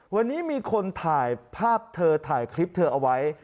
วันนี้มีคนถ่ายภาพเธอถ่ายคลิปเธอเอาไว้